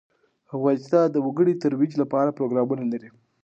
افغانستان د وګړي د ترویج لپاره پروګرامونه لري.